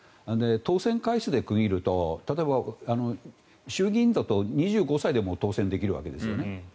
当選回数で区切ると例えば、衆議院だと２５歳でもう当選できるわけですよね。